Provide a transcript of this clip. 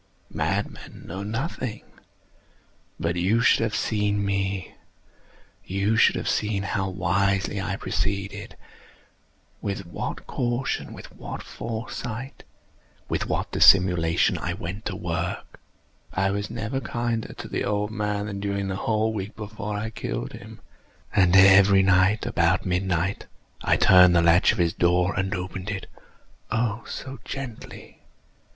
Madmen know nothing. But you should have seen me. You should have seen how wisely I proceeded—with what caution—with what foresight—with what dissimulation I went to work! I was never kinder to the old man than during the whole week before I killed him. And every night, about midnight, I turned the latch of his door and opened it—oh, so gently!